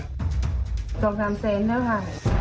๒๓เซนติเซนติแล้วค่ะ